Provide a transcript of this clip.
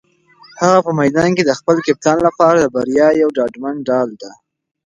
هغه په میدان کې د خپل کپتان لپاره د بریا یو ډاډمن ډال دی.